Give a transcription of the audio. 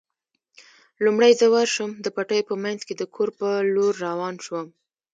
لومړی زه ورشم، د پټیو په منځ کې د کور په لور روان شوم.